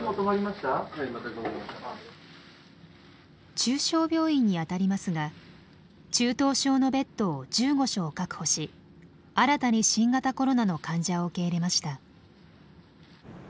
中小病院にあたりますが中等症のベッドを１５床確保し新たに新型コロナの患者を受け入れました。